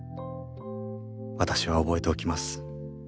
私は覚えておきます。